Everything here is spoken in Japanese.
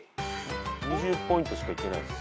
２０ポイントしかいけないっす。